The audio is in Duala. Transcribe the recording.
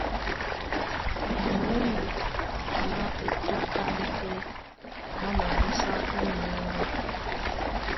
Múla má etrúkáŋ pɛ́ má mabúsá ó minyáŋgádú.